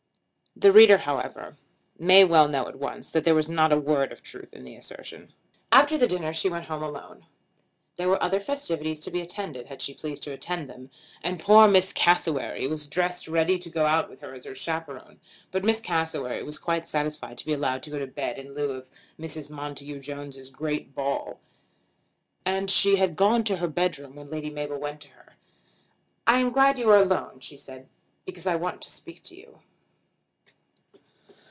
The reader, however, may as well know at once that there was not a word of truth in the assertion. After the dinner she went home alone. There were other festivities to be attended, had she pleased to attend them; and poor Miss Cassewary was dressed ready to go with her as chaperone; but Miss Cassewary was quite satisfied to be allowed to go to bed in lieu of Mrs. Montacute Jones's great ball. And she had gone to her bedroom when Lady Mabel went to her. "I am glad you are alone," she said, "because I want to speak to you."